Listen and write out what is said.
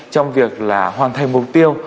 trong việc là hoàn thành mục tiêu